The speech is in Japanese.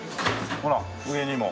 ほら上にも。